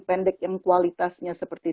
pendek yang kualitasnya seperti